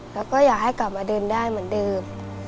แล้วก็อยากให้กลับมาเดินได้เหมือนเดิม